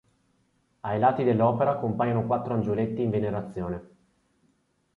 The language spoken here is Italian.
Ai lati dell'opera compaiono quattro angioletti in venerazione.